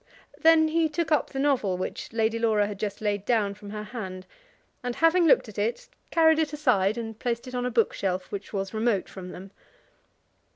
Then he took up the novel which Lady Laura had just laid down from her hand, and, having looked at it, carried it aside, and placed it on a book shelf which was remote from them.